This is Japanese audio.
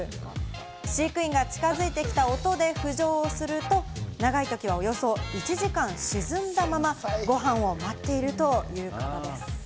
飼育員が近づいてきた音で浮上をすると長いときは、およそ１時間沈んだままご飯を待っているということです。